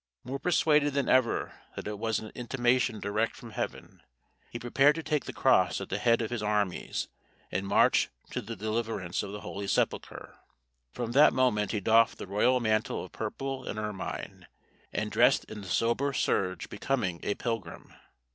More persuaded than ever that it was an intimation direct from heaven, he prepared to take the cross at the head of his armies, and march to the deliverance of the Holy Sepulchre. From that moment he doffed the royal mantle of purple and ermine, and dressed in the sober serge becoming a pilgrim.